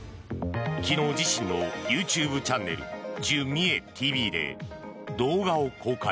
昨日、自身のＹｏｕＴｕｂｅチャンネル「チュ・ミエＴＶ」で動画を公開。